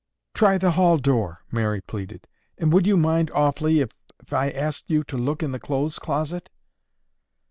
"Try the hall door," Mary pleaded, "and would you mind, awfully, if I asked you to look in the clothes closet?"